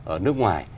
ở nước ngoài